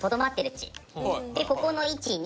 でここの位置に。